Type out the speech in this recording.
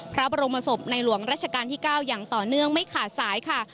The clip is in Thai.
พระบรมศพในหลวงราชการที่๙อย่างต่อเนื่องไม่ขาดสายค่ะ